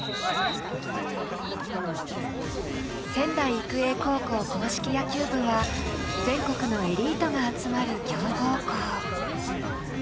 仙台育英高校硬式野球部は全国のエリートが集まる強豪校。